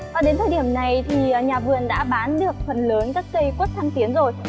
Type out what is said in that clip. và đến thời điểm này thì nhà vườn đã bán được phần lớn các cây quất thăng tiến rồi